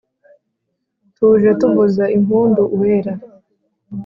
Tuje kuvuza impundu Uwera